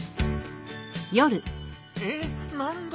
えっ何だよ。